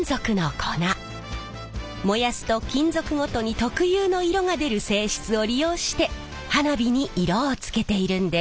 燃やすと金属ごとに特有の色が出る性質を利用して花火に色をつけているんです。